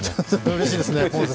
うれしいですね。